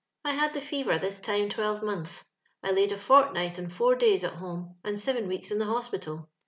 I had the fever this time twelvemonth. I laid a fortnight and four days at home, and seven weeks in the hospital.